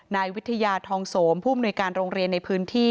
นายวิทยาทองโสมผู้มนุยการโรงเรียนในพื้นที่